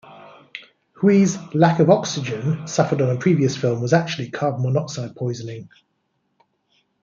Hui's "lack of oxygen" suffered on a previous film, was actually carbon monoxide poisoning.